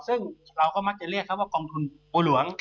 ซึ่งเราก็มักจะเรียกเขาว่ากองทุนบัวหลวง